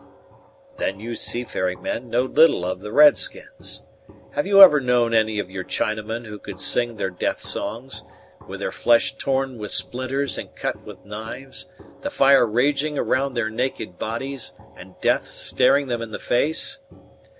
"Then you seafaring men know little of the red skins. Have you ever known any of your Chinamen who could sing their death songs, with their flesh torn with splinters and cut with knives, the fire raging around their naked bodies, and death staring them in the face?